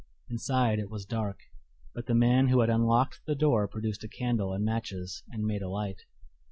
Inside it was dark, but the man who had unlocked the door produced a candle and matches and made a light.